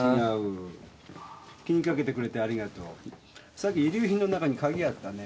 さっき遺留品の中に鍵あったね。